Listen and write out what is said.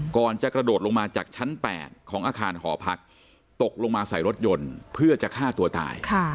ก่อนจะกระโดดลงมาจากชั้น๘ของอาคารหอพักตกลงมาใส่รถยนต์เพื่อจะฆ่าตัวตาย